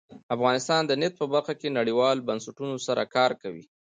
افغانستان د نفت په برخه کې نړیوالو بنسټونو سره کار کوي.